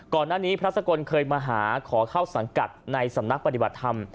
ก่อนหน้านี้พระสกลเคยมาหาขอเข้าสังกัดในสำนักปฏิบัติธรรม